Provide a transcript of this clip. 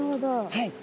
はい。